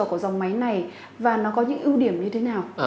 vai trò của dòng máy này và nó có những ưu điểm như thế nào